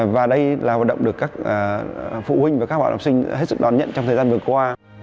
và đây là hoạt động được các phụ huynh và các bạn học sinh hết sức đón nhận trong thời gian vừa qua